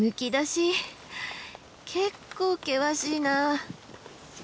結構険しいな。